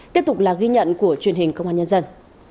tiếp tục là ghi nhận của truyền hình công an nhân dân